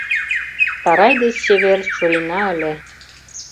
Тарай деч чевер чурийна ыле